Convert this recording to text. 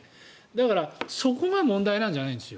だから、そこが問題なんじゃないんです。